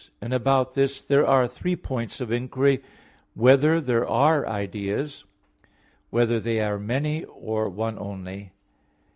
And about this there are three points of inquiry: (1) Whether there are ideas? (2) Whether they are many, or one only?